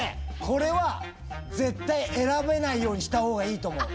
これは絶対選べないようにした方がいいと思う。